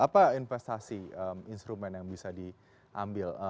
apa investasi instrumen yang bisa diambil